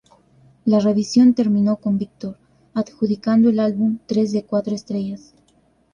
La revisión terminó con Víctor adjudicando el álbum tres de cuatro estrellas.